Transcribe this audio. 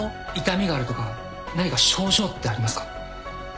痛みがあるとか何か症状ってありますか？